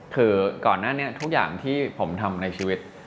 คือก่อนหน้านี้ทุกอย่างที่ผมทำในชีวิต